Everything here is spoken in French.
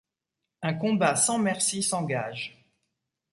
Un combat sans merci s'engage.